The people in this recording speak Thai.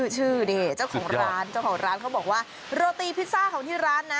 ชื่อเจ้าของร้านเขาบอกว่าโรตีพิซซ่าของที่ร้านนะ